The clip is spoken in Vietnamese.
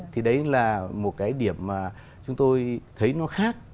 thì đấy là một cái điểm mà chúng tôi thấy nó khác